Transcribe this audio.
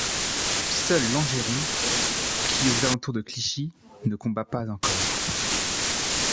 Seul Langeron, qui aux alentours de Clichy, ne combat pas encore.